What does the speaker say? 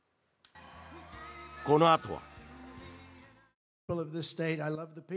このあとは。